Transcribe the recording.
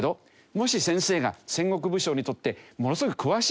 もし先生が戦国武将にとってものすごく詳しい先生だとね